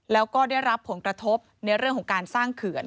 แล้วก็ได้รับผลกระทบในเรื่องของการสร้างเขื่อน